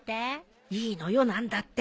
いいのよ何だって。